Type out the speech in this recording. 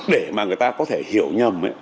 để mà người ta có thể hiểu nhầm